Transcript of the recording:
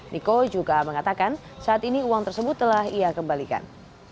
niko juga mengatakan saat ini uang tersebut telah ia kembalikan